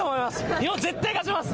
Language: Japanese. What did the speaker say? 日本、絶対勝ちます。